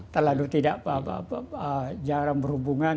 terlalu tidak jarang berhubungan